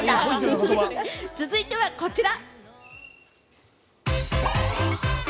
続いてはこちら。